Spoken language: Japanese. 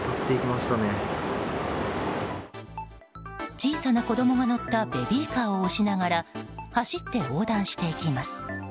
小さな子供が乗ったベビーカーを押しながら走って横断していきます。